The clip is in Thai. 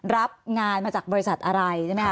รับงานมาจากบริษัทอะไร